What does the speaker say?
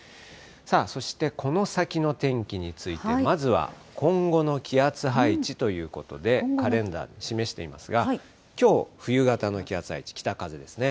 そして、この先の天気について、まずは今後の気圧配置ということで、カレンダーで示していますが、きょう、冬型の気圧配置、北風ですね。